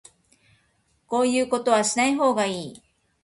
こういうことはしない方がいい